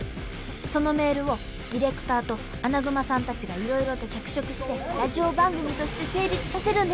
そのメールをディレクターとアナグマさんたちがいろいろと脚色してラジオ番組として成立させるんですよ。